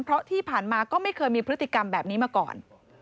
เพราะที่ผ่านมาก็ไม่เคยมีพฤติกรรมแบบนี้มาก่อน